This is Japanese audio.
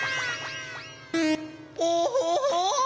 オホホ！